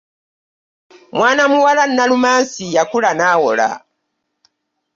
Mwana muwala Nalumansi yakula n'awoola.